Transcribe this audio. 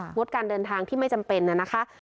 งดการเดินทางที่ไม่จำเป็นนะคะ